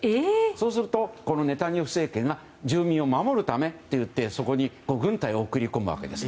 そうするとネタニヤフ政権が住民を守るためといってそこに軍隊を送り込むわけです。